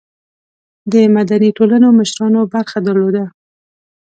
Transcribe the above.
د مدني ټولنو مشرانو برخه درلوده.